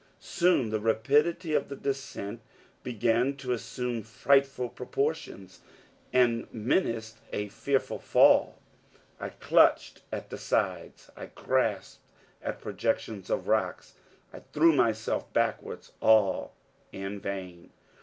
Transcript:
Soon the rapidity of the descent began to assume frightful proportions; and menaced a fearful fall. I clutched at the sides; I grasped at projections of rocks; I threw myself backwards. All in vain.